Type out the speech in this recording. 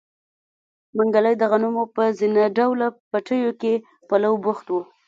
منګلی د غنمو په زينه ډوله پټيو کې په لو بوخت و.